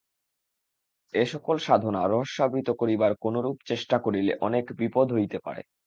এ-সকল সাধনা রহস্যাবৃত করিবার কোনরূপ চেষ্টা করিলে অনেক বিপদ হইতে পারে।